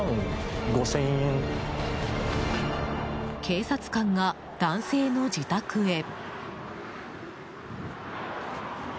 警察官が男性の自宅へ。